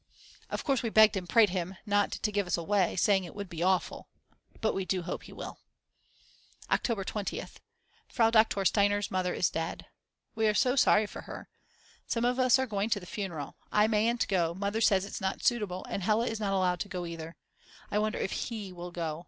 Of course we begged and prayed him not to give us away, saying it would be awful. But we do hope he will. October 20th. Frau Doktor Steiner's mother is dead. We are so sorry for her. Some of us are going to the funeral, I mayn't go, Mother says it is not suitable, and Hella is not allowed to go either, I wonder if He will go?